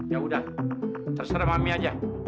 yaudah terserah mami aja